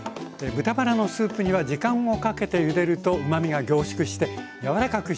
豚バラのスープ煮は時間をかけてゆでるとうまみが凝縮してやわらかく仕上がります。